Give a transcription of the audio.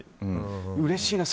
うれしいな。